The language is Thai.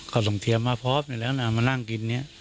เขาส่งเทียมมาพร้อมอยู่แล้วนะมานั่งกินเนี่ย